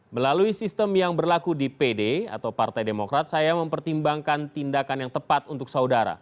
melalui sistem yang berlaku di pd atau partai demokrat saya mempertimbangkan tindakan yang tepat untuk saudara